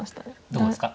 どこですか？